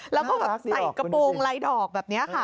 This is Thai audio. แล้วก็แบบใส่กระโปรงลายดอกแบบนี้ค่ะ